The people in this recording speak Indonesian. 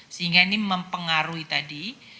sehingga ini mempengaruhi tadi